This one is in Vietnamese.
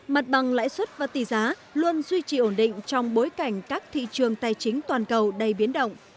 mặt bằng lãi suất và tỷ giá luôn duy trì ổn định trong bối cảnh các thị trường tài chính toàn cầu đầy biến động